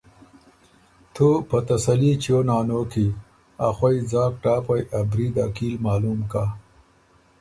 تُو په تسلي چیو نانو کی، ا خوئ ځاک ټاپئ، ا برید کیل معلوم کَۀ۔